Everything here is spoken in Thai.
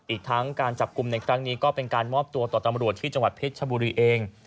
อีกทั้งการจับกลุ่มในครั้งนี้ก็เป็นการมอบตัวต่อตำรวจที่จังหวัดเพชรชบุรีเอง